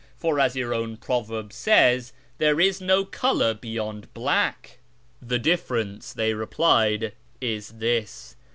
' For, as your own proverb says, ' There is no colour beyond black ?'"" The difference," they replied, " is this.